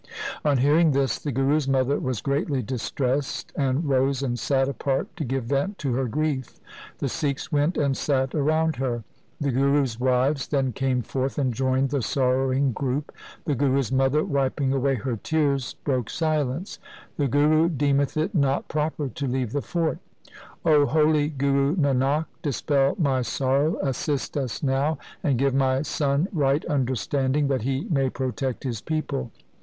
On hearing this the Guru's mother was greatly dis tressed, and rose and sat apart to give vent to her grief. The Sikhs went and sat around her. The Guru's wives then came forth and joined the sorrow ing group. The Guru's mother, wiping away her tears, broke silence —' The Guru deemeth it not proper to leave the fort. O holy Guru Nanak, dispel my sorrow, assist us now, and give my son right understanding that he may protect his people